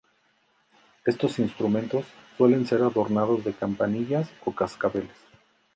Estos instrumentos suelen ser adornados de campanillas o cascabeles.